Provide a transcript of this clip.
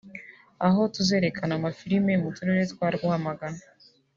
aho tuzerekana amafilimi mu turere twa Rwamagana